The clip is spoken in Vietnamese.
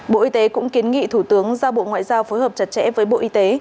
bộ y tế cũng kiến nghị thủ tướng ra bộ ngoại giao phối hợp chặt chẽ với bộ y tế